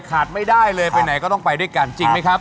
ขาดไม่ได้เลยไปไหนก็ต้องไปด้วยกันจริงไหมครับ